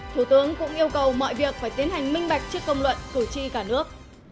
thủ tướng cũng yêu cầu mọi việc phải tiến hành minh bạch trước công luận cử tri cả nước